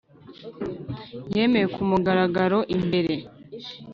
yemeye ku mugaragaro imbere